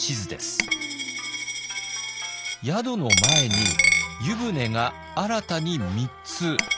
宿の前に湯船が新たに３つ。